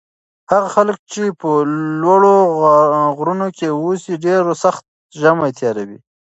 هغه خلک چې په لوړو غرونو کې اوسي ډېر سخت ژمی تېروي.